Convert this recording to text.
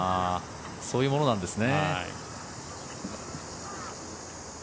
そういうものなんですね。